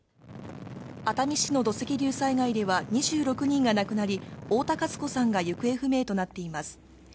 熱海市の土石流災害では２６人が亡くなり、太田和子さんが行方不明となっています。